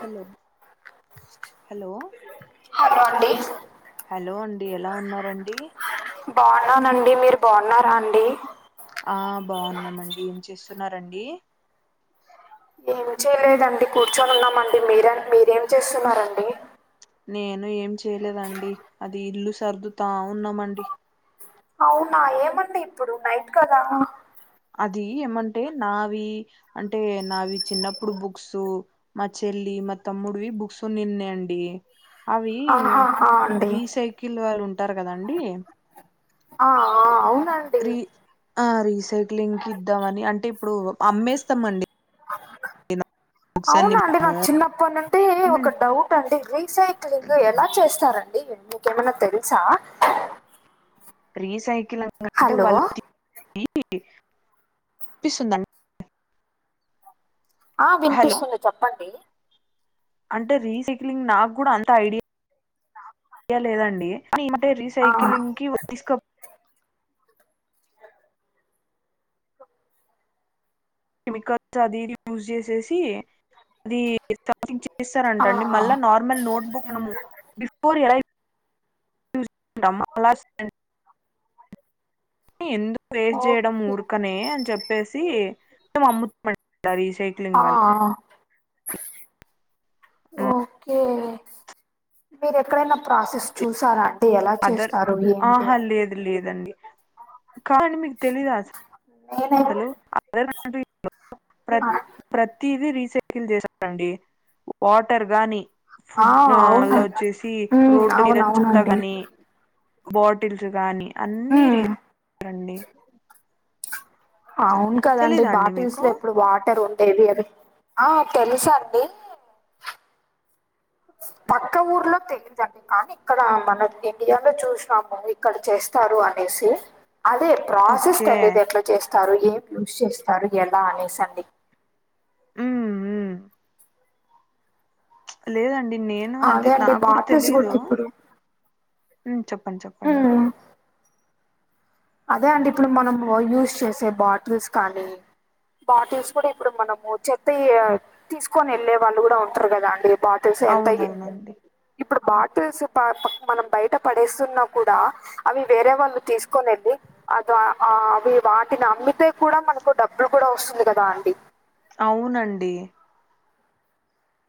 Hello hello hello అండి hello అండి, ఎలా ఉన్నారండి బాన్నానండి, మీరు బాగున్నారా అండి ఆ బాన్నామండి ఏం చేస్తున్నారండి ఏం చేయలేదండి కూర్చొని ఉన్నామండి మీర మీరేం చేస్తున్నారండి నేను ఏం చేయలేదండి అది ఇల్లు సర్దుత ఉన్నామండి అవున ఏమండి ఇప్పుడు నైట్ కదా అది ఏమంటే నావి అంటే నావి చిన్నప్పుడు బుక్సు మా చెల్లి మ త్మ్ముడువి బుక్స్ నిన్నే అండి అవి ఆహాహా అండి రీసైకిల్ వాళ్ళు ఉంటారు కదండి ఆ అవున [unintelligible] ఆ రీసైక్లింగ్ కి ఇద్దాం అని అంటే ఇప్పుడు అమ్మేస్తాం అండి అన్ని అవునా అండి నాకు చిన్నప్పటి నుండి మేము ఒక డౌ నండి రీసైక్లింగ్ ఎలా చేస్తారండి మీకేమైనా తెలుసా రీసైకిల్ంగ్ అంటే హలో [unintelligible] ఆ హలో వినిపిస్తుంది చెప్పండి అంటే రీసైక్లింగ్ నాకు కూడ అంత ఐడియా ఐడియా లేదండి కానీ ఈ మధ్య ఆ, రీసైక్లింగ్ కి తీస్క కెమికల్స్ అది ఇది పూసే సేసీ అది [unintelligible] ఆ, చేస్తారంటండి మళ్ళా నార్ మళ్ళీ నోట్బుక్ బిఫోర్ ఎలా యూస్ చేసుకునమో అలా ఎందుకు వేస్ట్ జేయడం ఓకే ఊర్కనే అని చెప్పేసీ మేము అమ్ముతామండి ఆ రీసైకిల్ ఆ ఆ వల్ల ఓకే మీరు ఎక్కడైనా ప్రాసెస్ చూసారా అంటే ఎలా అదర్ చేస్తారు ఏంటి ఆహా అని లేదు లేదండి కానీ మీకు తెలీదా అస నేనై ఆ [unintelligible] ఇది రీసైకిల్ చేశారండి వాటర్ గానీ ఆ! ఫూడూ అల్లో అవునండి చేసి ఉమ్ రోడ్డు మీద చెత్త అవునవునండి గానీ బాటిల్స్ గాని అన్నీ ఉమ్ రీసైకిల్ రండి అవున్ కదండి తెలీదా అండి బాటిల్స్ మీకు లో ఎప్పుడు వాటర్ ఉండేది అది ఆ తెలుసా అండి [inaudible] పక్క ఊర్లో తెలిదండి కానీ ఇక్కడ మన ఇండియాలో చూష్నాము ఇక్కడ చేస్ తారు అనేసి అదే ప్రాసెస్ ఓకే తెలీదు ఎట్లా చేస్తారు ఏం యూస్ చేస్తారు ఎలా అనేసండి ఉమ్ ఉమ్ లేదండి నేను అంటే అదే అండి నాక్ గూడా బాటిల్స్ కూడా తెలిదూ ఇప్పుడు ఉమ్ చెప్పండి చెప్పండి ఉమ్ అదే అండి ఇప్పుడు మనం యూష్ చేషే బాటిల్స్ కానీ బాటిల్స్ కూడా ఇప్పుడు మనము చెతై య తీస్కొని ఎళ్ళే వాళ్ళు గూడా ఉంట్రు గదా అండి బాటి తెస ఎంతయి అవునవునండి ఇప్పుడు బాటిల్స్ ప మనం బైట పడేస్సున్నా కూడా అవి వేరే వాళ్ళు తీస్కొనెల్లి అదా ఆ అవి వాటిని అమ్మితే కూడా మనకు డబ్బులు కూడా ఒస్సుంది కదా అండి అవునండి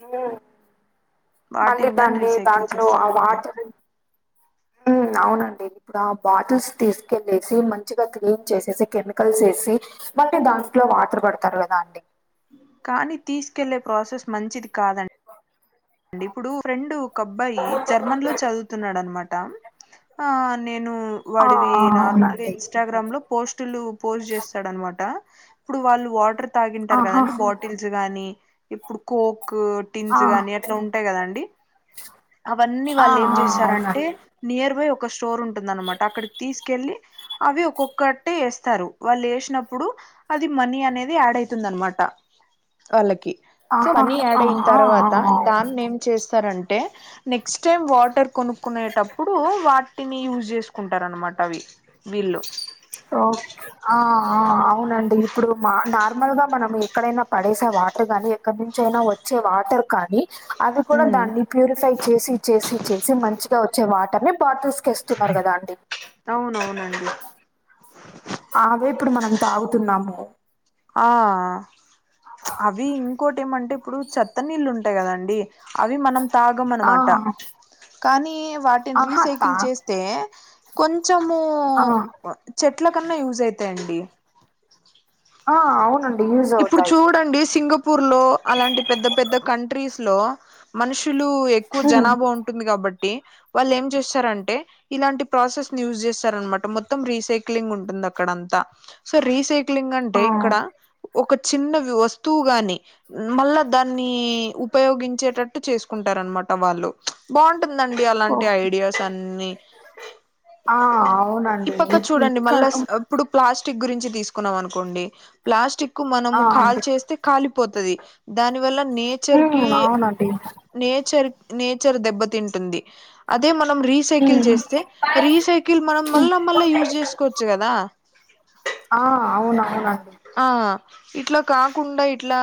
ఉ మళ్ళీ వాటిని గాని దాండి రీసైకిల్ దాంట్లో ఆ చేస్తారండి వాట ఉ అవునండి. ఇప్పుడా బాటిల్స్ తీస్కెళ్ళేసి మంచిగా క్లీన్ చేసేసి కెమికల్స్ ఎసి మళ్ళీ దాంట్లో వాటర్ పడ్తారు కదా అండి కానీ తీస్కెళ్లే ప్రాసెస్ మంచిది కాదండి అండి ఇప్పుడూ ఫ్రెండూ ఒక అబ్బాయి జర్మన్లో చదువుతున్నాడు అన్మాట ఆ నేను ఆ వాడివి నార్మల్గా ఇచ్చి అవునండి ఇన్స్టాగ్రామ్ లో పోస్టులు పోస్ట్ చేస్తాడున్మాట ఇప్పుడు వాళ్ళు వాటర్ తాగింటారు ఆహా కదండి బాటిల్ టిల్స్ గానీ ఇప్పుడు కోకు ఆ టిన్స్ గానీ అట్లా ఉంట గదాండి. అవన్నీ ఆ వాళ్ళు ఏం ఆ జెశారంటే అవునండి నియర్ బై ఒక స్టోర్ ఉంటుంది అన్మాట అక్కడికి తీస్కెళ్ళి అవి ఒక్కొక్కటే ఎస్తారు వాళ్ళు ఎష్నప్పుడు అది మనీ అనేది యాడ్ అయితుంది అన్మాట వాళ్ళకి సో ఆహా మని ఆ యాడయిన్ ఆ ఆ తర్వాత అవునండి దాన్ని ఏం చేస్తారంటే నెక్స్ట్ టైం వాటర్ కొనుక్కునేటప్పుడూ వా టిని యూజ్ జేస్కుంటారు అన్మాట అవి వీళ్ళు ఓ ఆ ఆ అవునండి ఇప్పుడు మా నార్మల్ గా మనం ఎక్కడైనా పడేసే అ వాటర్ గని అక్క నుంచి అయినా వచ్చే వాటర్ కానీ అవి కూడా ఉమ్ దాన్ని ప్యూరిఫై చేసి చేసి చేసి మంచిగా వచ్చే వాటర్‌ని బాటిల్స్‌కి ఎస్తున్నారు కదా అండి అవునవునండి అవే ఇప్పుడు మనం తాగుతున్నాము ఆ అవి ఇంకోటి ఏమంటే ఇప్పుడు చెత్త నీళ్ళు ఉంటాయి కదండి అవి మనం తాగం ఆ అనమాట కానీ వాటిని ఆహా తా రీసైకిల్ చేస్ తే కొంచెము ఆ చెట్ల కన్న యూజ్ అయితాయండి ఆ అవునం ఇప్పుడు చూడండి సింగపూర్‌లో అలాంటి పెద్ద పెద్ద కంట్రీస్‌లో మనుషులు ఎక్కువ ఉమ్ జనాభా ఉంటుంది కాబట్టి వాళ్ళు ఏం చేస్తారంటే ఇలాంటి ప్రాసెస్‌ని యూజ్ చేస్తారనమాట మొత్తం రీసైక్లింగ్ ఉంటుంది అక్కడ అంతా సో రీసై క్లీంగ్ ఆ అంటే ఇక్కడ ఒక చిన్న వస్తువు గాని మళ్ళా దాన్ని ఉపయోగించేటట్టు చేసుకుంటారు అనమాట వాళ్ళు బాగుంటుందండి అలాంటి ఓకే ఐడియాస్ అన్ని ఆ ఈ అవునండి పక్క ఇ చూడండి ఇక్కడ మళ్ళా ఇప్పుడు ప్లాస్టిక్ గురించి తీసుకున్నాం అనుకోండి ప్లాస్టిక్కు ఆ మనము కాల్ అండి చేస్తే కాలిపోతది దాని వల్ల నేచర్‌కి ఉమ్ అవునండి నేచర్ నేచర్ దెబ్బతింటుంది అదే మనం రీసైకిల్ ఉమ్ చేస్తే రీసైకిల్ మనం మళ్ళా మళ్ళా యూజ్ చేసుకోవచ్చు కదా ఆ అవును అవున ఆ ఇట్లా కాకుండా ఇట్లా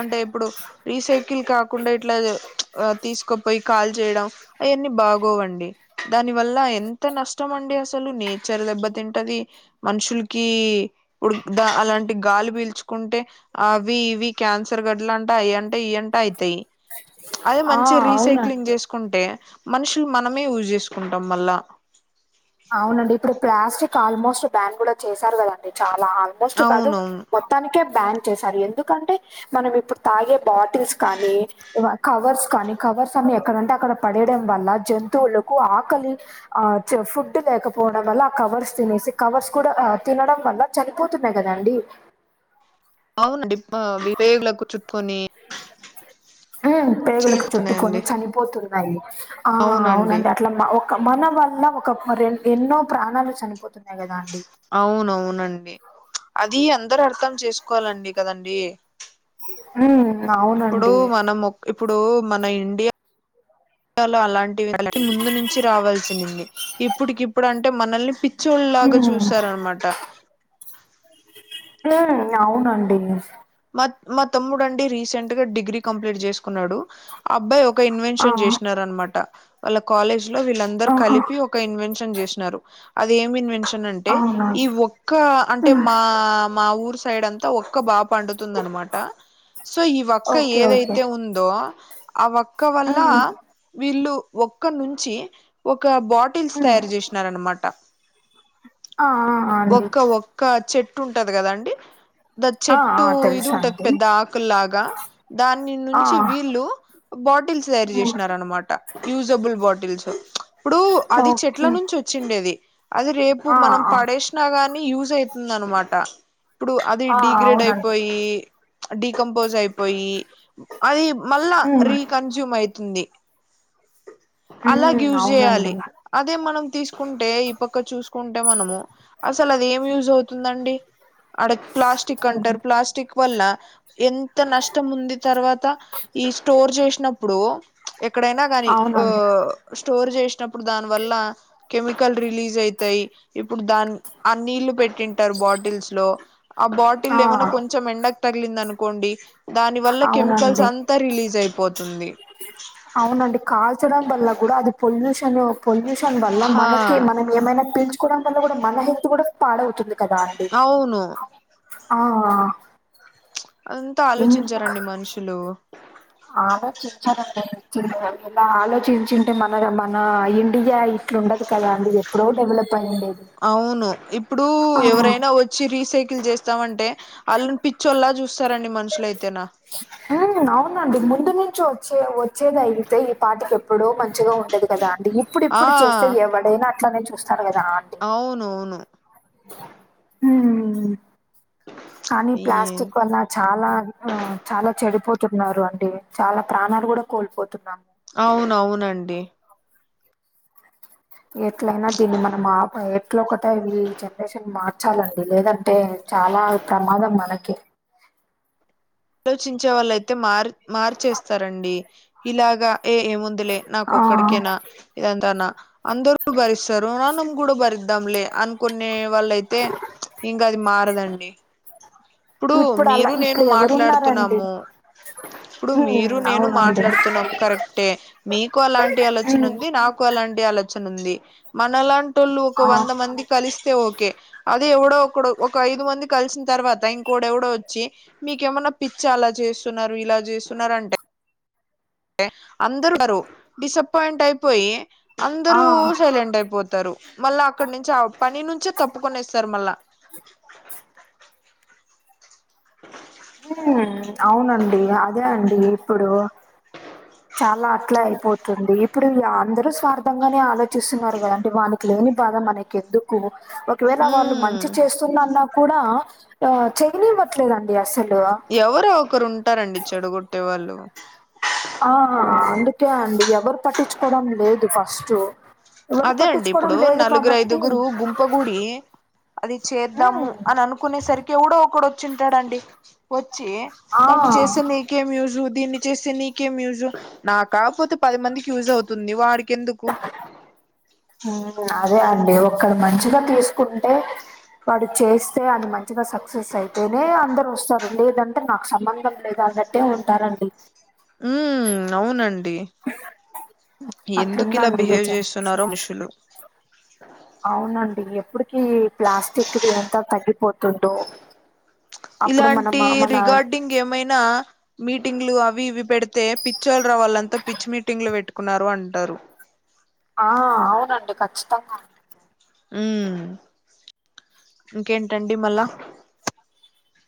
అంటే ఇప్పుడు రీసై కిల్ కాకుండా ఇట్లా తీసుకొపోయి కాల్ చేయడం అవన్నీ బాగోవండి దాని వల్ల ఎంత నష్టమండి అసలు నేచర్ దెబ్బతింటది మనుషులకి ఉడుక్ దా అలాం టి గాలి పీల్చుకుంటే అవి ఇవి క్యాన్సర్ గడ్లంటా అయంట ఇయంటా అయితాయి అదే ఆ మంచిగా రీసైక్లింగ్ అవునండి చేసు కుంటే మనుషులు మనమే యూజ్ చేసుకుంటాం వల్ల అవునండి ఇప్పుడు ప్లాస్టిక్ ఆల్మోస్ట్ బ్యాన్ కూడా చేశారు కదండి చాలా ఆల్మోస్ట్ కాదు అవునవును మొ త్తనికే బ్యాన్ చేసారు ఎందుకంటే మనం ఇప్పుడు తాగే బాటిల్స్ కానీ ఇవ కవర్స్ కానీ కవర్స్ అన్ని ఎక్కడంటే అక్కడ పడేయడం వల్ల జంతువులకు ఆకలి ఆ చెఫ్ డ్ లేకపోవడం వల్ల ఆ కవర్స్ తినేసి కవర్స్ కూడా ఆ తినడం వల్ల చనిపోతున్నాయి కదండి అవునండి అవి పేగులకు చుట్టుకొని ఆ పేగులకు చుట్టుకొని చనిపోతున్నాయండి చనిపోతున్నాయి ఆ అవునండి అట్లా మ ఒక మన వల్ల ఒక ఎన్నో ప్రాణాలు చనిపోతున్నాయి కదా అండి అవునవునండి అది అందరు అర్థం చేసుకోవాలండి కదండీ ఉమ్మ్ అ ఇప్పుడు మనం ఇప్పుడు మన ఇండియ లో అలాంటివి ముందు నుంచి రావాల్సినింది ఇప్పుటికి ఇప్పుడు అంటే మనల్ని పి చ్చోళ్ళ లాగా హ్మ్. చూస్తారనమాట అవునండి మా మా తమ్ముడు అండి రీసెంట్‌గా డిగ్రీ కంప్లీట్ చేసుకున్నాడు ఆ అబ్బాయి ఒక ఆ! ఇన్వెన్షన్ చేసినారు అనమాట వాళ్ళ కాలేజ్‌లో వీళ్ళందరు ఆహా! కలిపి ఒ క్క ఇన్వెన్షన్ చేసినారు అది ఏమి ఇన్వెన్ష అంటే అవునా! ఈ ఒక్క అంటే హ్మ్. మా మా ఊర్ సైడ్ అంతా ఒక బాబు పండుతుందానమాట సో ఈ ఒక్క ఓకే. ఓకే. ఏదైతే ఉందో ఆ వ క్క వల్ల హ్మ్. వీళ్ళు ఒక్క నుంచి ఒక బాటిల్స్ హ్మ్. తయారు చేసినారనమాట ఆ! ఆ! ఆ! అండి. ఒక్క వ క్క ఒక చెట్టు ఉంటాది కదాండి దా ఆ! ఆ! చెట్టు ఇది ఉంటాది తెలుసండి. పెద్ద ఆకుల్లాగా దాన్ని ఆ! నుంచి వీళ్ళు బాటిల్స్ తయారు హ్మ్. చేసినారనమాట యూజబుల్ బాటిల్స్ ఇప్పుడు అది చెట్ల ఓకే. నుంచి వచ్చిండేది అది రేపు డు ఆ! మనం ఆ! పడేసినా కాగానీ యూజ అయితుంది అనమాట ఇప్పుడు అది ఆ! డగ్రేడ్ అయిపో అవునండి. పోయి డీకంపోజ్ అయిపోయి అది మళ్ళ హ్మ్. రీ కన్జూమ్ అయితుంది అలాగ హ్మ్. యూజ్ చేయాలి అవునండి. అదే మనం తీసుకుంటే ఈ పక్క చూసుకుంటే మనము అసలు అది ఏం యూజ్ అవుతుందండి అడ ప్లాస్టిక్ హ్మ్. అంటారు ప్లాస్టిక్ వల్ల ఎంత నష్టం ఉంది తర్వాత ఈ స్టోర్ చేసినప్పుడు ఎక్కడైనా కానీ ఆ అవునండి. స్టోర్ చేసినప్పుడు దాని వల్ల కెమికల్ రిలీజ్ అయితయ్ ఇప్పుడు దాన్ని ఆ నీళ్లు పెట్టి ారు బాటిల్స్ లో ఆ బాటిల్ ఆ ఏమన్నా కొంచెం ఎండకు తగిలింది అనుకోండి దాని వల్ల కెమికల్స్ అవునండి అంతా రిలీజ్ అయిపోతుంది అవునండి కాల్చడం వల్ల కూడా అది పొల్యూషన్ పొల్యూషన్ వల్ల హా మనక మన ఏమైనా పీల్చుకోవడం వల్ల కూడా మన హెల్త్ కూడా పాడవుతుంది కాదండి అవును ఆ అంతా ఇంకా ఆలోచించారండి మనుషులు ఆలోచించారండి చి ఎలా ఆలోచించింటే మన మన ఇండియా ఇ ట్లా ఉండది కదండి ఎప్పుడో డెవలప్ అయ్యండేది అవును ఇప్పుడు ఎవరైనా వచ్చి రీసైకిల్ చేస్తామంటే వాళ్ళని పిచ్చోల్లా చూస్తారండి మనుషులైతేనా ఉ ఉ అవునండి ముందు నుంచి వచ్చే వచ్చేది అయితే ఈ పాటికి ఎప్పుడో మంచిగా ఉండేది కదా అండి ఇప్పుడు ఆ ఇప్పుడు చేస్తే ఎవడైనా అట్లనేే చూస్తరు కదా అవునువును ఉ కానీ ప్లాస్టిక్ వల్ల చాలా ఆ చాలా చెడిపోతున్నారు అండి చాలా ప్రాణాలు కూడా కోల్పోతున్నాం అవునవునండి ఎట్లయినా దీన్ని మనం అప ఎట్ల ఒకటైయి జనరేషన్ మార్చాలండి లేదంటే చాలా ప్రమాదం మనకే ఆలోచించే వాళ్ళ అయితే మార్ మార్చేస్తారండి ఇలాగా ఏ ఏముంద్ లే నాకు ఆ ఒక్కడికేనా ఇదంతానా అందరూ భరిస్తారు మనం కూడా బరి ద్దంలే అనుకునే వాళ్ళ అయితే ఇంకా అది మారదండి ఇప్పుడు అలా మీరు నేను ఇప్పుడు ఎవరున్నారండి మాట్లాడుతున్నాము ఇప్పుడు ఉమ్ మీరు నేను అవునండి మాట్లాడుతున్నాం కరెక్టే మీకు అలాంటి ఆలోచన ఉమ్ ఉంది నాకు అలాంటి ఆలోచన ఉంది మనలాంట్ టోలు ఒక ఆ వంద మంది కలిస్తే ఓకే అదే ఎవడో ఒకడు ఒక ఐదు మంది కలిసిన తర్వాత ఇం కోడు ఎవడో వచ్చి మీకేమన్నా పిచ్చ అలా చేస్తున్నారు ఇలా చేస్తున్నారు అంటే టే అందరుారు డిసప్పాయింట్ అయిపోయి ఆ అందరుూ సైలెంట్ అయిపోతా తారు మళ్ళా అక్కడ నుంచి ఆ పని నుంచే తప్పుకొనేస్తారు మళ్ళా అ ఉ అవునండి అదే అండి ఇప్పుడు చాలా అట్ల అయిపోతుంది ఇప్పుడు అందరు స్వార్థంగానే ఆలో చూస్తున్నారు కదంటే వాన్కి లేని బాధ మనకి ఎందుకు ఒకవేళ వాళ్ళు ఉమ్ మంచి చేస్ తున్నా అన్నా కూడా ఆ చేయనివ్వట్లేదండి అసలు ఎవరో ఒకరు ఉంటారండి చెడగొట్టే వాళ్ళు ఆ అందుకే అండి ఎవరు పట్టించుకోవడం లేదు ఫస్ట్ అదే అండి ఇప్పుడు నలుగురు ఐదుగురు గుం గుడి అది చేద్దాము హ్మ్. అని అనుకునే సరికి కూడా ఒకడు వచ్చింటాడు అండి వచ్చి ఆ! దాన్ని చేస్తే నీకేం యూజు దీన్ని చేస్తే నీకే మ్యూజు నాకాపోతే పది మందికి యూజ్ అవుతుంది వాడికి ఎందుకు అదే అండి ఒక్కడు మంచిగా తీసుకుంటే వాడు చేస్తే అది మంచిగా సక్సెస్ అయితేనే అందరు వస్తారు లేదంటే నాకు సంబంధం లేద్ అన్నట్టే ఉంటారండి ఉ అవునండి ఎందుకు ఇలా అట్లుందండి ఈ బిహేవ్ చేస్తున్నారో జనరేషన్ మనుషులు అవునండి ఎప్పుటికి ప్లాస్టిక్ది అంతా తగ్గిపోతుందో అప్పుడు మన ఇలాంటి మన రిగార్డింగ్ ఏమైనా మీటింగ్లు అవి ఇవి పెడితే పిచ్చోళ్రా వాళ్ళంతా పిచ్ మీటింగ్లు పెట్టుకున్నారు అంటారు ఆ అవునండి ఖచ్చితంగా ఉ ఇంకేంటండి మళ్ళా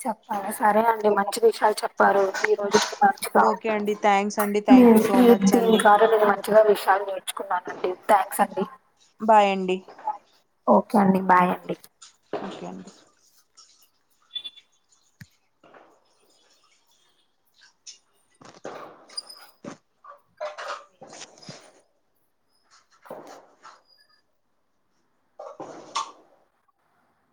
చెప్పాల సరే అండి మంచి విషయాలు చెప్పారు ఈ రోజుకి మంచిగా ఓకే అండి థ్యాంక్స్ అండి మీ థ్యాంక్ యూ సో ఈ మచ్ దీని అండి దారవిద మ మంచిగా విషయాలు నేర్చుకున్నాను అండి థ్యాంక్స్ అండి బాయండి ఓకే అండి బాయ్ అండి ఓకే అండి